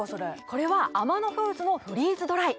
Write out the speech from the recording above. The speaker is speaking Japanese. これはアマノフーズのフリーズドライ。